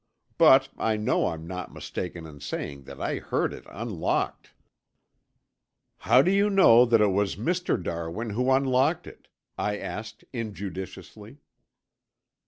But, I know I'm not mistaken in saying that I heard it unlocked." "How do you know that it was Mr. Darwin who unlocked it?" I asked injudiciously.